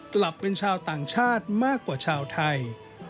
กลับเป็นชาวต่างชาติมากกว่าชาวไทย